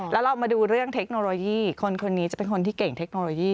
แล้วเรามาดูเรื่องเทคโนโลยีคนคนนี้จะเป็นคนที่เก่งเทคโนโลยี